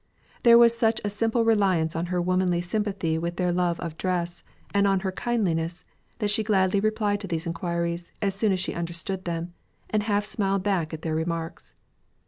There was such a simple reliance on her womanly sympathy with their love of dress, and on her kindliness, that she gladly replied to these inquiries, as soon as she understood them; and half smiled back at their remarks.